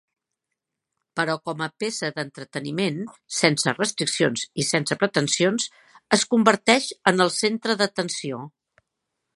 Però com a peça d'entreteniment sense restriccions i sense pretensions es converteix en el centre d'atenció.